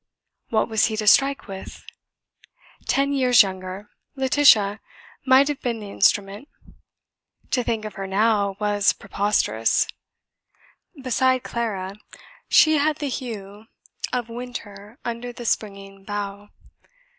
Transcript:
What was he to strike with? Ten years younger, Laetitia might have been the instrument. To think of her now was preposterous. Beside Clara she had the hue of Winter under the springing bough.